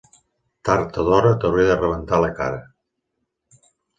Tard o d'hora t'hauré de rebentar la cara.